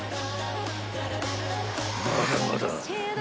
［まだまだ］